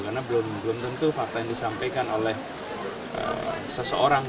karena belum tentu fakta yang disampaikan oleh seseorang